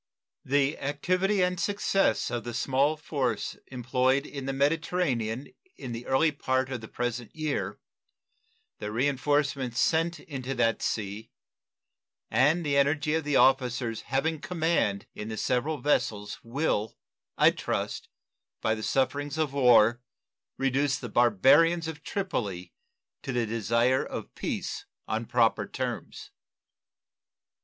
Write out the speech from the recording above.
The activity and success of the small force employed in the Mediterranean in the early part of the present year, the reenforcements sent into that sea, and the energy of the officers having command in the several vessels will, I trust, by the sufferings of war, reduce the barbarians of Tripoli to the desire of peace on proper terms.